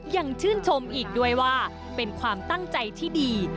ยังชื่นชมอีกด้วยว่าเป็นความตั้งใจที่ดี